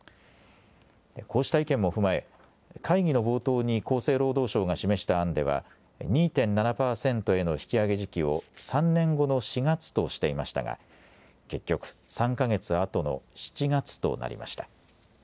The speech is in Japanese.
こうした意見も踏まえ会議の冒頭に厚生労働省が示した案では２．７％への引き上げ時期を３年後の４月としていましたが結局、３か月あとの７月となりました。